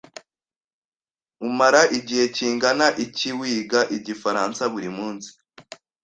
Umara igihe kingana iki wiga igifaransa buri munsi?